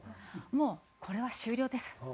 もうこれは終了です。